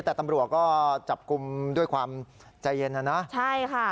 แต่ตำรวจกบกุมด้วยความใจเย็นใช่ค่ะ